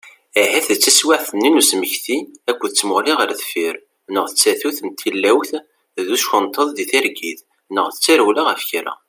Ahat d taswiɛt-nni n usmekti akked tmuɣli ɣer deffir, neɣ d tatut n tilawt d uckenṭeḍ di targit, neɣ d tarewla ɣef kra.